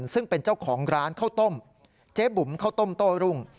ซึ่งเป็นเจ้าของร้านข้าวต้มเจ๊บุ๋มข้าวต้มโต้รุ่ง